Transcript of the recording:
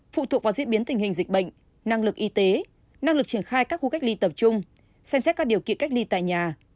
phụ thuộc vào diễn biến tình hình dịch bệnh năng lực y tế năng lực triển khai các khu cách ly tập trung xem xét các điều kiện cách ly tại nhà